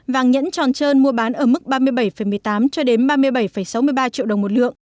vàng nhẫn tròn trơn mua bán ở mức ba mươi bảy một mươi tám cho đến ba mươi bảy sáu mươi ba triệu đồng một lượng